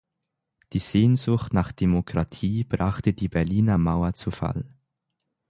Die Sehnsucht nach Demokratie brachte die Berliner Mauer zu Fall.